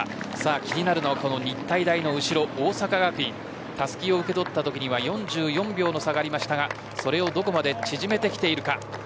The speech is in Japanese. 気になるのは日体大の後ろ大阪学院たすきを受け取ったときには４４秒の差でしたがそれをどこまで縮められているか。